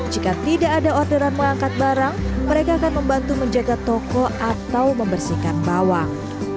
jika tidak ada orderan mengangkat barang mereka akan membantu menjaga toko atau membersihkan bawang